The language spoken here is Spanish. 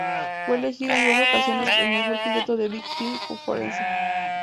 Fue elegido en dos ocasiones en el mejor quinteto de la Big Ten Conference.